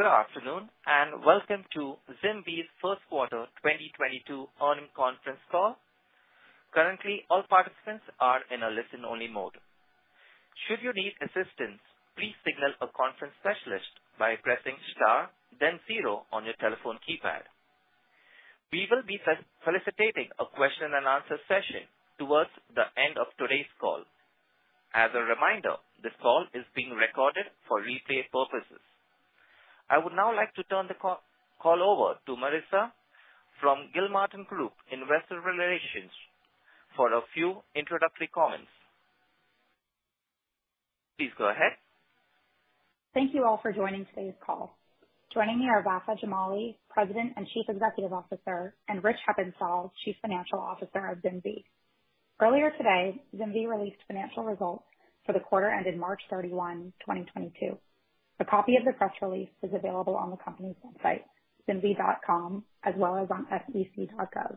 Good afternoon and welcome to ZimVie's first quarter 2022 earnings conference call. Currently, all participants are in a listen only mode. Should you need assistance, please signal a conference specialist by pressing star then zero on your telephone keypad. We will be facilitating a question and answer session towards the end of today's call. As a reminder, this call is being recorded for replay purposes. I would now like to turn the call over to Marissa from Gilmartin Group Investor Relations for a few introductory comments. Please go ahead. Thank you all for joining today's call. Joining me are Vafa Jamali, President and Chief Executive Officer, and Rich Heppenstall, Chief Financial Officer of ZimVie. Earlier today, ZimVie released financial results for the quarter ended March 31, 2022. A copy of the press release is available on the company's website, zimvie.com, as well as on sec.gov.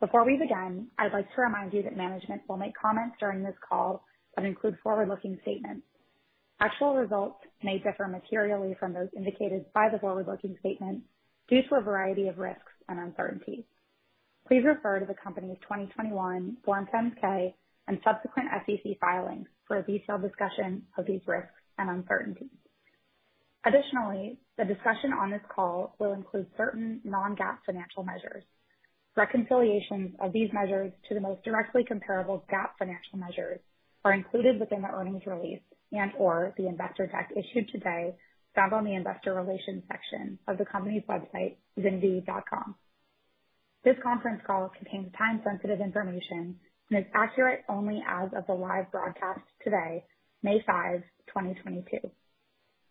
Before we begin, I'd like to remind you that management will make comments during this call that include forward-looking statements. Actual results may differ materially from those indicated by the forward-looking statement due to a variety of risks and uncertainties. Please refer to the company's 2021 Form 10-K and subsequent SEC filings for a detailed discussion of these risks and uncertainties. Additionally, the discussion on this call will include certain non-GAAP financial measures. Reconciliations of these measures to the most directly comparable GAAP financial measures are included within the earnings release and/or the investor deck issued today found on the investor relations section of the company's website, zimvie.com. This conference call contains time-sensitive information and is accurate only as of the live broadcast today, May 5, 2022.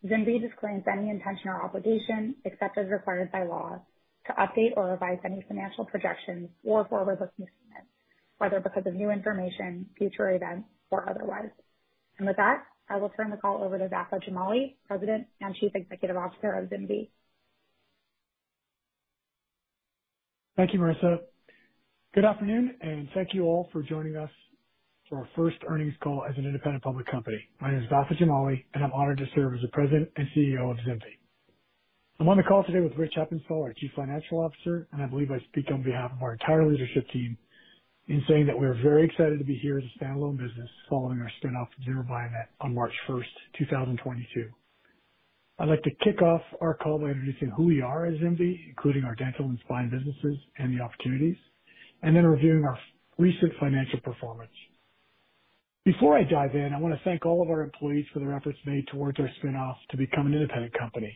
ZimVie disclaims any intention or obligation, except as required by law, to update or revise any financial projections or forward-looking statements, whether because of new information, future events or otherwise. With that, I will turn the call over to Vafa Jamali, President and Chief Executive Officer of ZimVie. Thank you, Marissa. Good afternoon, and thank you all for joining us for our first earnings call as an independent public company. My name is Vafa Jamali, and I'm honored to serve as the President and CEO of ZimVie. I'm on the call today with Rich Heppenstall, our Chief Financial Officer, and I believe I speak on behalf of our entire leadership team in saying that we are very excited to be here as a standalone business following our spin-off from Zimmer Biomet on March 1, 2022. I'd like to kick off our call by introducing who we are as ZimVie, including our dental and spine businesses and the opportunities, and then reviewing our recent financial performance. Before I dive in, I want to thank all of our employees for their efforts made towards our spin-off to become an independent company.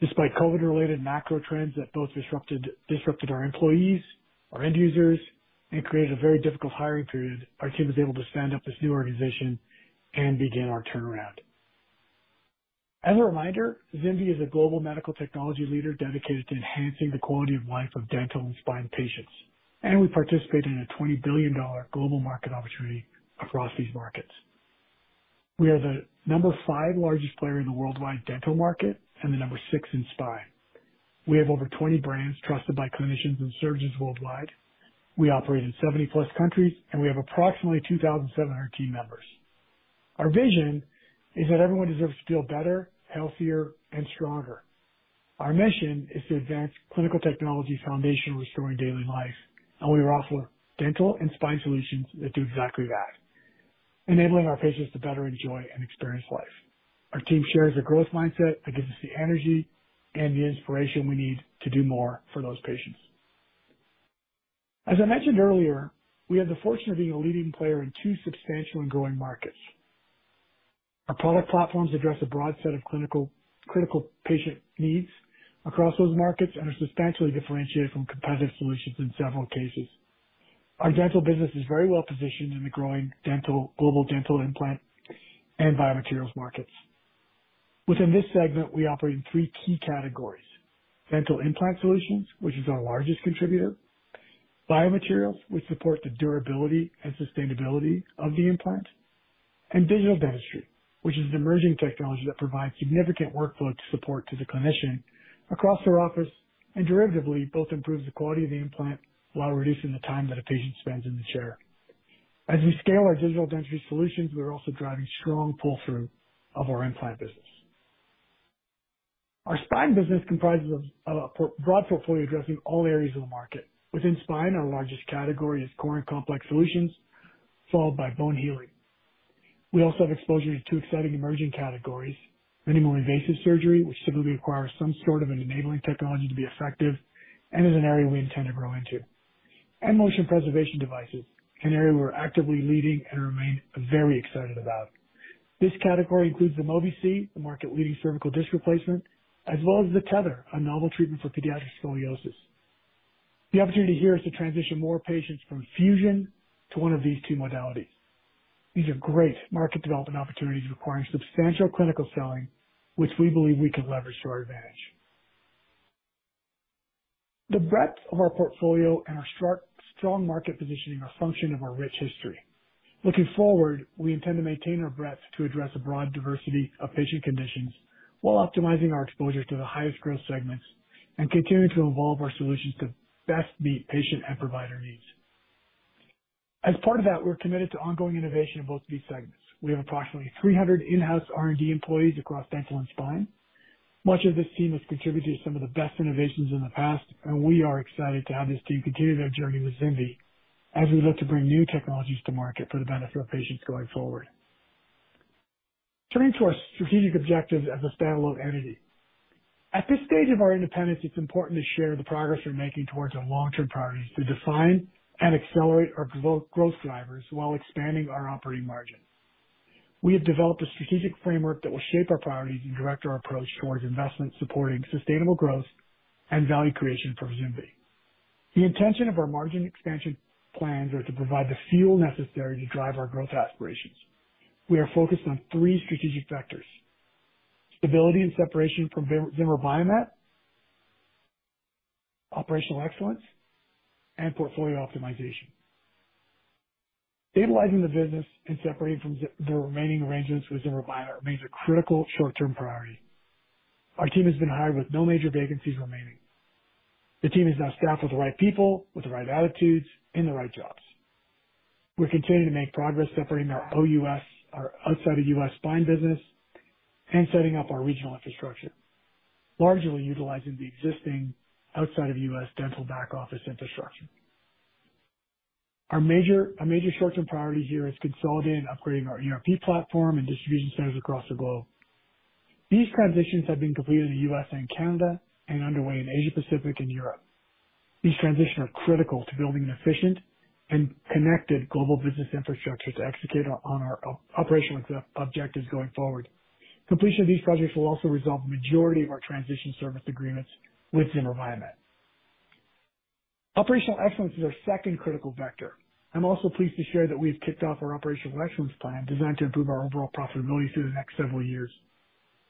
Despite COVID-related macro trends that both disrupted our employees, our end users, and created a very difficult hiring period, our team was able to stand up this new organization and begin our turnaround. As a reminder, ZimVie is a global medical technology leader dedicated to enhancing the quality of life of dental and spine patients, and we participate in a $20 billion global market opportunity across these markets. We are the number five largest player in the worldwide dental market and the number six in spine. We have over 20 brands trusted by clinicians and surgeons worldwide. We operate in 70+ countries, and we have approximately 2,700 team members. Our vision is that everyone deserves to feel better, healthier and stronger. Our mission is to advance clinical technology's foundation, restoring daily life, and we offer dental and spine solutions that do exactly that, enabling our patients to better enjoy and experience life. Our team shares a growth mindset that gives us the energy and the inspiration we need to do more for those patients. As I mentioned earlier, we have the fortune of being a leading player in two substantial and growing markets. Our product platforms address a broad set of clinical patient needs across those markets and are substantially differentiated from competitive solutions in several cases. Our dental business is very well positioned in the growing global dental implant and biomaterials markets. Within this segment, we operate in three key categories. Dental implant solutions, which is our largest contributor, biomaterials, which support the durability and sustainability of the implant, and digital dentistry, which is an emerging technology that provides significant workflow to support to the clinician across their office and derivatively both improves the quality of the implant while reducing the time that a patient spends in the chair. As we scale our digital dentistry solutions, we are also driving strong pull-through of our implant business. Our spine business comprises of a broad portfolio addressing all areas of the market. Within spine, our largest category is core and complex solutions, followed by bone healing. We also have exposure to two exciting emerging categories, minimally invasive surgery, which typically requires some sort of an enabling technology to be effective and is an area we intend to grow into. Motion preservation devices, an area we're actively leading and remain very excited about. This category includes the Mobi-C, the market-leading cervical disc replacement, as well as the Tether, a novel treatment for pediatric scoliosis. The opportunity here is to transition more patients from fusion to one of these two modalities. These are great market development opportunities requiring substantial clinical selling, which we believe we can leverage to our advantage. The breadth of our portfolio and our strong market positioning are function of our rich history. Looking forward, we intend to maintain our breadth to address a broad diversity of patient conditions while optimizing our exposure to the highest growth segments and continuing to evolve our solutions to best meet patient and provider needs. As part of that, we're committed to ongoing innovation in both of these segments. We have approximately 300 in-house R&D employees across dental and spine. Much of this team has contributed to some of the best innovations in the past, and we are excited to have this team continue their journey with ZimVie as we look to bring new technologies to market for the benefit of patients going forward. Turning to our strategic objectives as a standalone entity. At this stage of our independence, it's important to share the progress we're making towards our long-term priorities to define and accelerate our growth drivers while expanding our operating margin. We have developed a strategic framework that will shape our priorities and direct our approach towards investments supporting sustainable growth and value creation for ZimVie. The intention of our margin expansion plans are to provide the fuel necessary to drive our growth aspirations. We are focused on three strategic vectors. Stability and separation from Zimmer Biomet, operational excellence, and portfolio optimization. Stabilizing the business and separating from the remaining arrangements with Zimmer Biomet remains a critical short-term priority. Our team has been hired with no major vacancies remaining. The team is now staffed with the right people, with the right attitudes, in the right jobs. We're continuing to make progress separating our OUS, our outside of U.S. spine business and setting up our regional infrastructure, largely utilizing the existing outside of U.S. dental back office infrastructure. Our major short-term priority here is consolidating and upgrading our ERP platform and distribution centers across the globe. These transitions have been completed in The U.S. and Canada and underway in Asia Pacific and Europe. These transitions are critical to building an efficient and connected global business infrastructure to execute on our operational objectives going forward. Completion of these projects will also resolve the majority of our transition service agreements with Zimmer Biomet. Operational excellence is our second critical vector. I'm also pleased to share that we have kicked off our operational excellence plan, designed to improve our overall profitability through the next several years.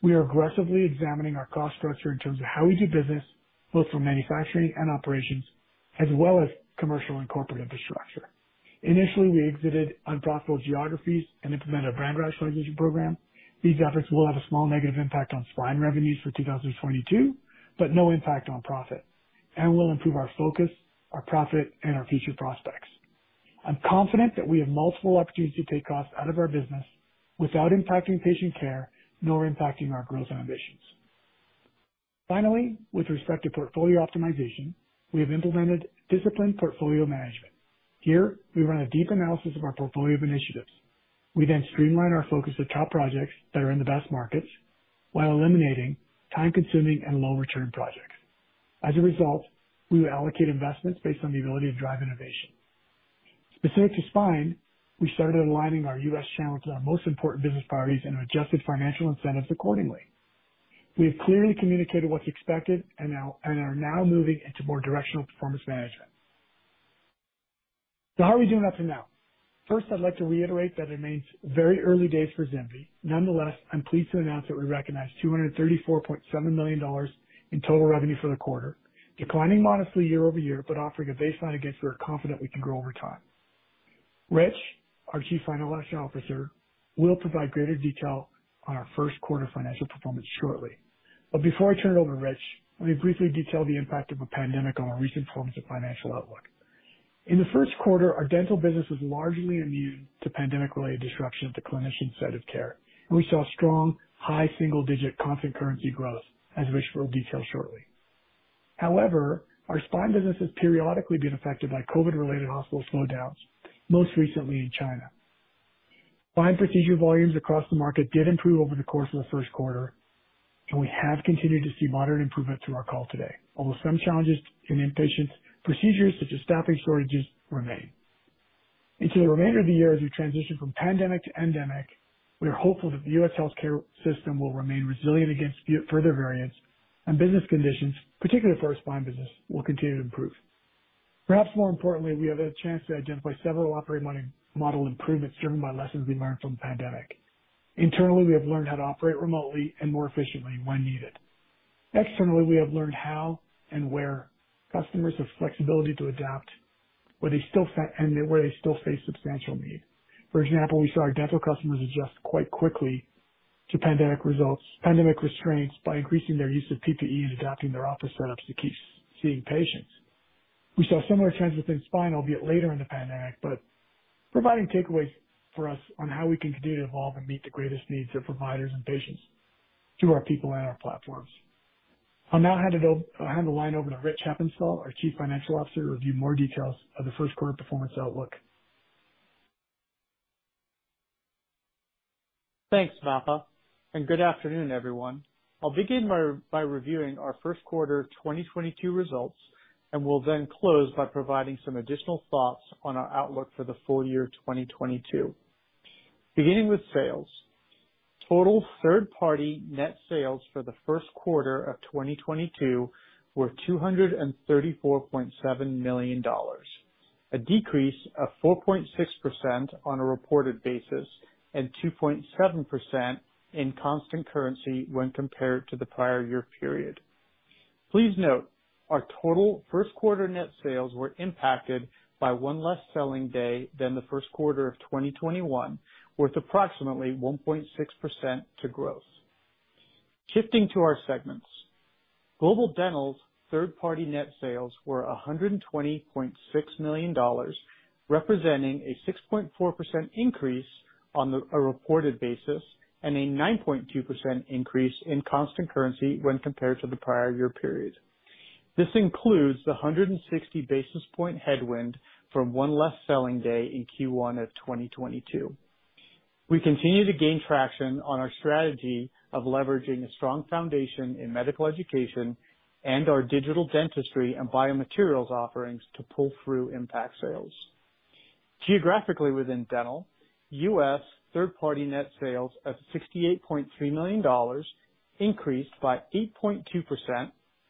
We are aggressively examining our cost structure in terms of how we do business, both for manufacturing and operations, as well as commercial and corporate infrastructure. Initially, we exited unprofitable geographies and implemented a brand rationalization program. These efforts will have a small negative impact on spine revenues for 2022, but no impact on profit. Will improve our focus, our profit, and our future prospects. I'm confident that we have multiple opportunities to take costs out of our business without impacting patient care, nor impacting our growth ambitions. Finally, with respect to portfolio optimization, we have implemented disciplined portfolio management. Here, we run a deep analysis of our portfolio of initiatives. We streamline our focus to top projects that are in the best markets while eliminating time-consuming and low return projects. As a result, we will allocate investments based on the ability to drive innovation. Specific to spine, we started aligning our US channel to our most important business priorities and adjusted financial incentives accordingly. We have clearly communicated what's expected and are now moving into more directional performance management. How are we doing up to now? First, I'd like to reiterate that it remains very early days for ZimVie. Nonetheless, I'm pleased to announce that we recognized $234.7 million in total revenue for the quarter, declining modestly year-over-year, but offering a baseline against which we're confident we can grow over time. Rich, our Chief Financial Officer, will provide greater detail on our first quarter financial performance shortly. Before I turn it over to Rich, let me briefly detail the impact of the pandemic on our recent performance and financial outlook. In the first quarter, our dental business was largely immune to pandemic-related disruption at the clinician site of care, and we saw strong, high single-digit constant currency growth, as Rich will detail shortly. However, our spine business has periodically been affected by COVID-related hospital slowdowns, most recently in China. Spine procedure volumes across the market did improve over the course of the first quarter, and we have continued to see moderate improvement through our call today. Although some challenges in inpatient procedures such as staffing shortages remain. Into the remainder of the year as we transition from pandemic to endemic, we are hopeful that the U.S. healthcare system will remain resilient against further variants and business conditions, particularly for our spine business, will continue to improve. Perhaps more importantly, we have a chance to identify several operating model improvements driven by lessons we learned from the pandemic. Internally, we have learned how to operate remotely and more efficiently when needed. Externally, we have learned how and where customers have flexibility to adapt, where they still face substantial need. For example, we saw our dental customers adjust quite quickly to pandemic restraints by increasing their use of PPE and adapting their office setups to keep seeing patients. We saw similar trends within spine, albeit later in the pandemic, but providing takeaways for us on how we can continue to evolve and meet the greatest needs of providers and patients through our people and our platforms. I'll now hand the line over to Rich Heppenstall, our Chief Financial Officer, to review more details of the first quarter performance outlook. Thanks, Vafa, and good afternoon, everyone. I'll begin by reviewing our first quarter 2022 results, and will then close by providing some additional thoughts on our outlook for the full-year 2022. Beginning with sales. Total third-party net sales for the first quarter of 2022 were $234.7 million. A decrease of 4.6% on a reported basis and 2.7% in constant currency when compared to the prior year period. Please note, our total first quarter net sales were impacted by one less selling day than the first quarter of 2021, worth approximately 1.6% to growth. Shifting to our segments. Global Dental's third party net sales were $120.6 million, representing a 6.4% increase on a reported basis and a 9.2% increase in constant currency when compared to the prior year period. This includes the 160 basis points headwind from one less selling day in Q1 of 2022. We continue to gain traction on our strategy of leveraging a strong foundation in medical education and our digital dentistry and biomaterials offerings to pull-through implant sales. Geographically within Dental, U.S. third party net sales of $68.3 million increased by 8.2%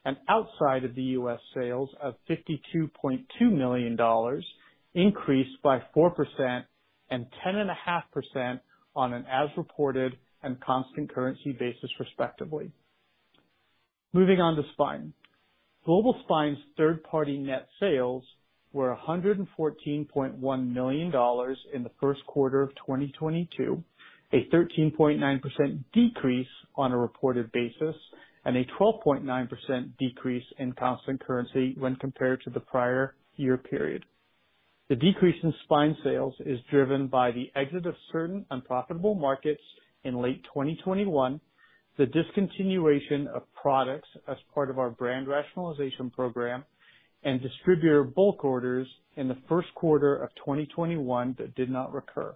and outside of The U.S., sales of $52.2 million increased by 4% and 10.5% on an as reported and constant currency basis, respectively. Moving on to Spine. Global Spine's third party net sales were $114.1 million in the first quarter of 2022, a 13.9% decrease on a reported basis and a 12.9% decrease in constant currency when compared to the prior year period. The decrease in spine sales is driven by the exit of certain unprofitable markets in late 2021, the discontinuation of products as part of our brand rationalization program, and distributor bulk orders in the first quarter of 2021 that did not recur.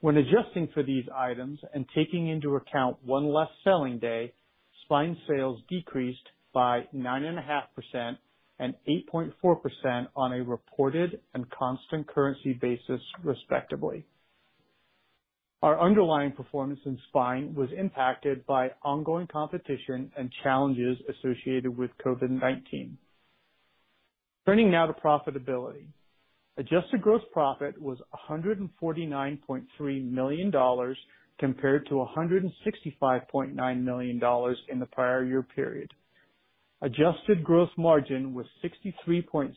When adjusting for these items and taking into account one less selling day, spine sales decreased by 9.5% and 8.4% on a reported and constant currency basis, respectively. Our underlying performance in spine was impacted by ongoing competition and challenges associated with COVID-19. Turning now to profitability. Adjusted gross profit was $149.3 million compared to $165.9 million in the prior year period. Adjusted gross margin was 63.6%,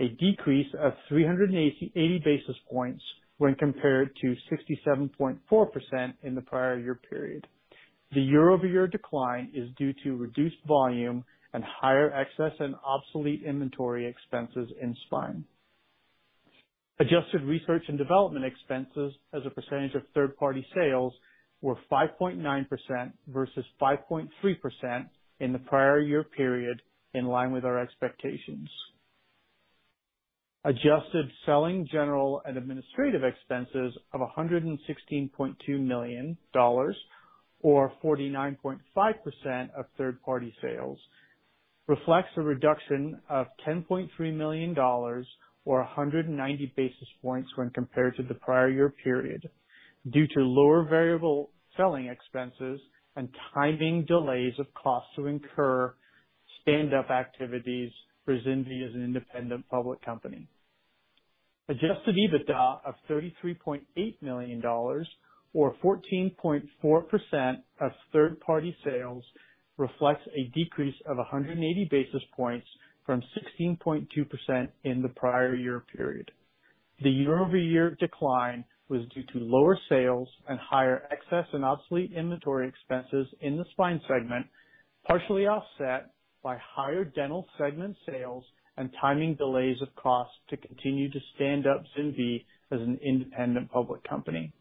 a decrease of 380 basis points when compared to 67.4% in the prior year period. The year-over-year decline is due to reduced volume and higher excess and obsolete inventory expenses in Spine. Adjusted research and development expenses as a percentage of third party sales were 5.9% versus 5.3% in the prior year period, in line with our expectations. Adjusted selling, general, and administrative expenses of $116.2 million or 49.5% of third-party sales reflects a reduction of $10.3 million or 190 basis points when compared to the prior year period due to lower variable selling expenses and timing delays of costs to incur stand-up activities for ZimVie as an independent public company. Adjusted EBITDA of $33.8 million or 14.4% of third-party sales reflects a decrease of 180 basis points from 16.2% in the prior year period. The year-over-year decline was due to lower sales and higher excess and obsolete inventory expenses in the spine segment, partially offset by higher dental segment sales and timing delays of costs to continue to stand up ZimVie as an independent public company.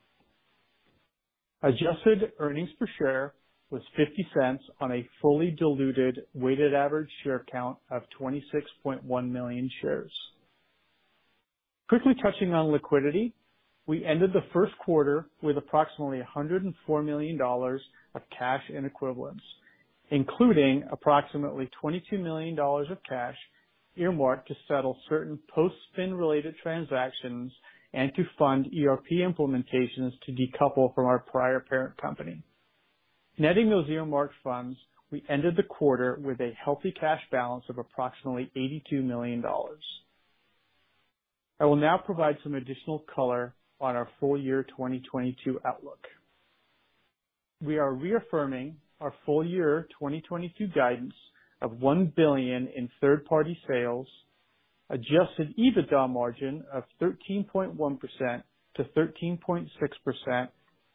Adjusted earnings per share was $0.50 on a fully diluted weighted average share count of 26.1 million shares. Quickly touching on liquidity. We ended the first quarter with approximately $104 million of cash and equivalents, including approximately $22 million of cash earmarked to settle certain post-spin related transactions and to fund ERP implementations to decouple from our prior parent company. Netting those earmarked funds, we ended the quarter with a healthy cash balance of approximately $82 million. I will now provide some additional color on our full-year 2022 outlook. We are reaffirming our full-year 2022 guidance of $1 billion in third-party sales, adjusted EBITDA margin of 13.1%-13.6%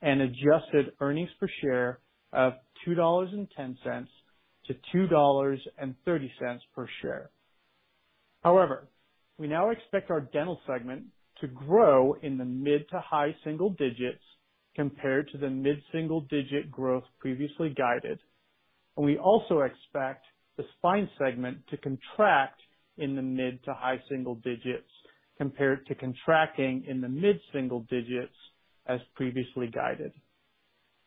and adjusted earnings per share of $2.10-$2.30 per share. However, we now expect our dental segment to grow in the mid-to-high-single digits compared to the mid-single digit growth previously guided. We also expect the spine segment to contract in the mid to-high single digits compared to contracting in the mid-single digits as previously guided.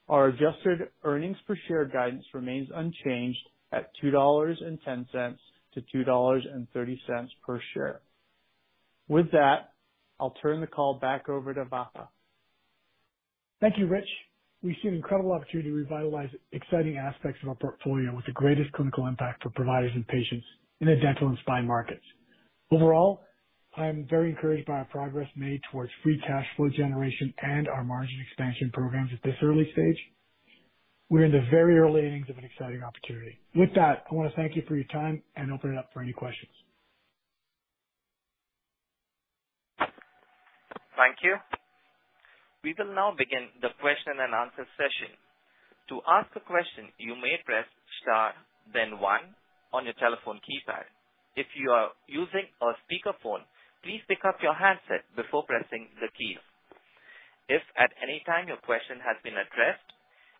Our adjusted earnings per share guidance remains unchanged at $2.10-$2.30 per share. With that, I'll turn the call back over to Vafa. Thank you, Rich. We see an incredible opportunity to revitalize exciting aspects of our portfolio with the greatest clinical impact for providers and patients in the dental and spine markets. Overall, I am very encouraged by our progress made towards free cash flow generation and our margin expansion programs at this early stage. We're in the very early innings of an exciting opportunity. With that, I want to thank you for your time and open it up for any questions. Thank you. We will now begin the question and answer session. To ask a question, you may press star then one on your telephone keypad. If you are using a speakerphone, please pick up your handset before pressing the keys. If at any time your question has been addressed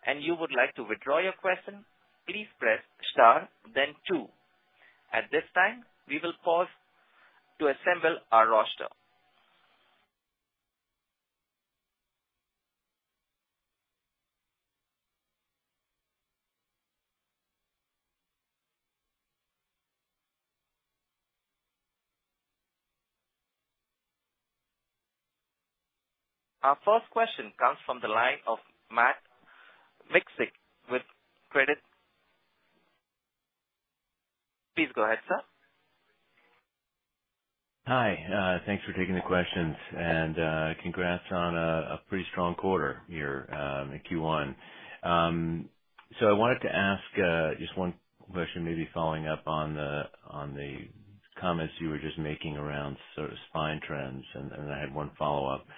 and you would like to withdraw your question, please press star then two. At this time, we will pause to assemble our roster. Our first question comes from the line of Matt Miksic with Credit Suisse. Please go ahead, sir. Hi, thanks for taking the questions, and congrats on a pretty strong quarter here in Q1. So I wanted to ask just one question, maybe following up on the comments you were just making around sort of spine trends, and I had one follow-up. You said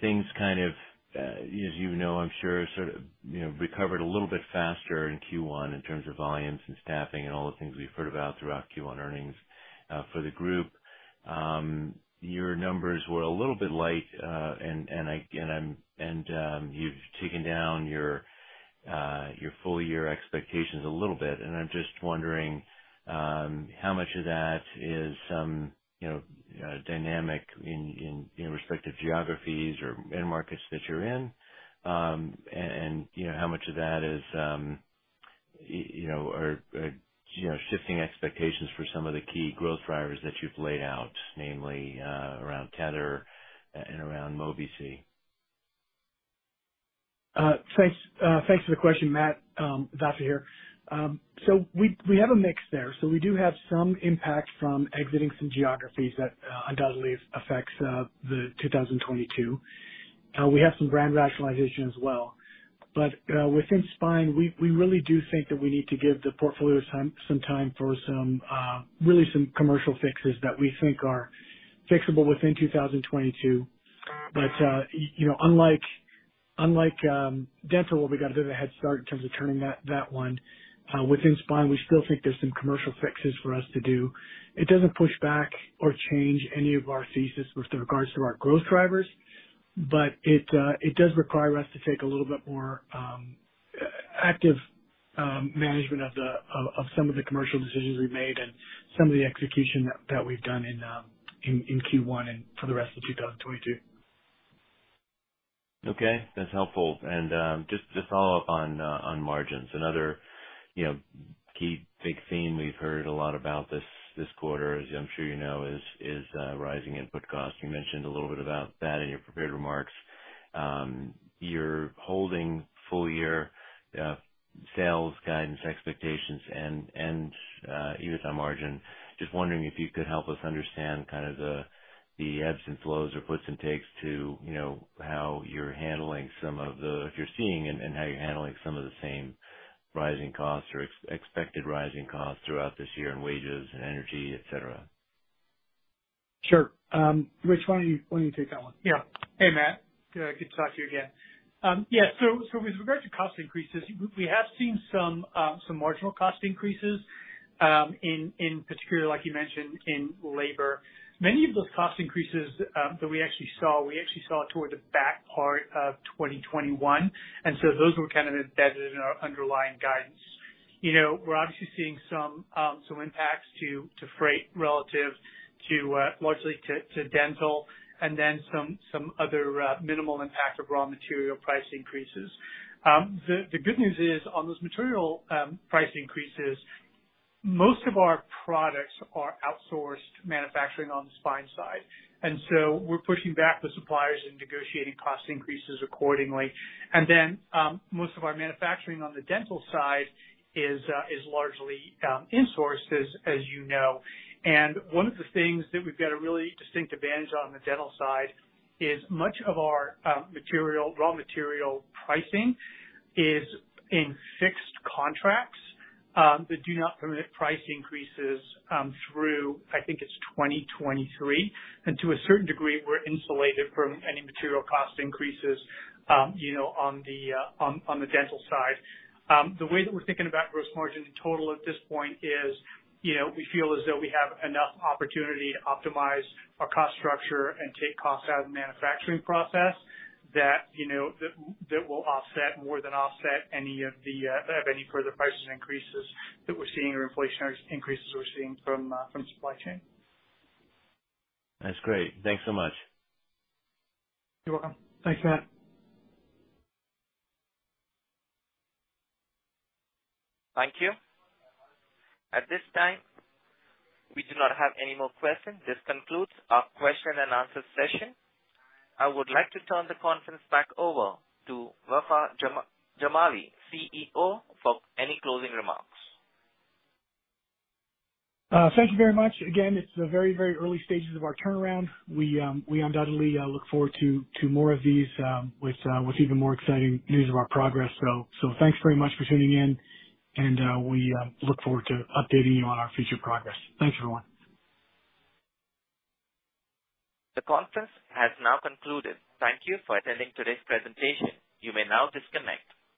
things kind of, as you know, I'm sure, sort of, you know, recovered a little bit faster in Q1 in terms of volumes and staffing and all the things we've heard about throughout Q1 earnings for the group. Your numbers were a little bit light, and again, you've taken down your full-year expectations a little bit. I'm just wondering how much of that is some, you know, dynamic in respective geographies or end markets that you're in. You know, how much of that is you know shifting expectations for some of the key growth drivers that you've laid out, namely, around Tether and around Mobi-C? Thanks. Thanks for the question, Matt. Vafa here. We have a mix there. We do have some impact from exiting some geographies that undoubtedly affects 2022. We have some brand rationalization as well. Within spine, we really do think that we need to give the portfolio some time for some really some commercial fixes that we think are fixable within 2022. You know, unlike dental, where we got a bit of a head start in terms of turning that one, within spine, we still think there's some commercial fixes for us to do. It doesn't push back or change any of our thesis with regards to our growth drivers, but it does require us to take a little bit more active management of some of the commercial decisions we made and some of the execution that we've done in Q1 and for the rest of 2022. Okay, that's helpful. Just to follow up on margins. Another key big theme we've heard a lot about this quarter, as I'm sure you know, is rising input costs. You mentioned a little bit about that in your prepared remarks. You're holding full-year sales guidance expectations and EBITDA margin. Just wondering if you could help us understand kind of the ebbs and flows or puts and takes to, you know, how you're handling some of the same rising costs or expected rising costs throughout this year in wages and energy, et cetera. Sure. Rich, why don't you take that one? Yeah. Hey, Matt. Good to talk to you again. Yeah, so with regard to cost increases, we have seen some marginal cost increases, in particular, like you mentioned, in labor. Many of those cost increases that we actually saw toward the back part of 2021, and so those were kind of embedded in our underlying guidance. You know, we're obviously seeing some impacts to freight relative to largely to dental and then some other minimal impact of raw material price increases. The good news is on those material price increases, most of our products are outsourced manufacturing on the spine side, and so we're pushing back the suppliers and negotiating cost increases accordingly. Most of our manufacturing on the dental side is largely insourced, as you know. One of the things that we've got a really distinct advantage on the dental side is much of our material, raw material pricing is in fixed contracts that do not permit price increases through, I think it's 2023. To a certain degree, we're insulated from any material cost increases, you know, on the dental side. The way that we're thinking about gross margin in total at this point is, you know, we feel as though we have enough opportunity to optimize our cost structure and take costs out of the manufacturing process that will offset, more than offset any further price increases that we're seeing or inflation increases we're seeing from supply chain. That's great. Thanks so much. You're welcome. Thanks, Matt. Thank you. At this time, we do not have any more questions. This concludes our question and answer session. I would like to turn the conference back over to Vafa Jamali, CEO, for any closing remarks. Thank you very much. Again, it's the very, very early stages of our turnaround. We undoubtedly look forward to more of these with even more exciting news of our progress. Thanks very much for tuning in, and we look forward to updating you on our future progress. Thanks, everyone. The conference has now concluded. Thank you for attending today's presentation. You may now disconnect.